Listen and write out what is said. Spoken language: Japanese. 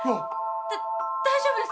だ大丈夫ですか？